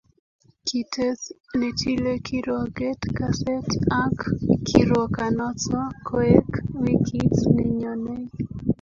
Kites ne tile kirwoket kaset ak kirwokanoto koek wikit nenyonei